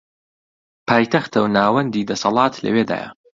پایتەختە و ناوەندی دەسەڵات لەوێدایە